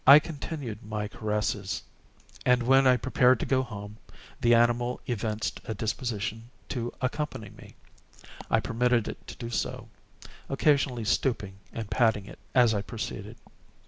I continued my caresses, and, when I prepared to go home, the animal evinced a disposition to accompany me. I permitted it to do so; occasionally stooping and patting it as I proceeded.